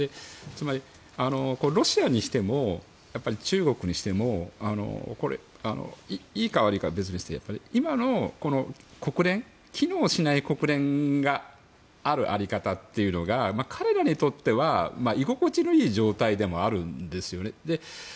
つまり、ロシアにしても中国にしてもいいか悪いかは別として、今の機能しない国連がある在り方というのが彼らにとっては居心地のいい状態でもあるんですよね。